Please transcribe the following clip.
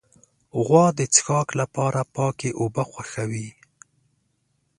غوا د څښاک لپاره پاکې اوبه خوښوي.